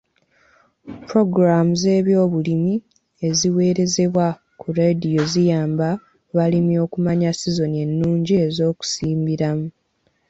Pulogulaamu z'ebyobulimi eziweerezebwa ku laadiyo ziyamba balimi okumanya sizoni ennungi ez'okusimbiramu.